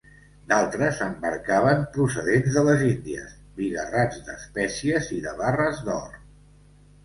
D'altres embarcaven, procedents de les Índies, bigarrats d'espècies i de barres d'or.